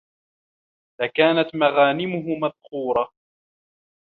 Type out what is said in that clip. لَكَانَتْ مَغَانِمُهُ مَذْخُورَةً